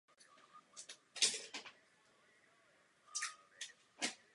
Jízdní řády v podstatě neexistují a mapy sítě jsou na zastávkách velmi zřídka.